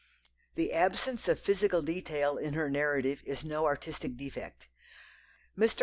The absence of physical detail in her narrative is no artistic defect. Mr.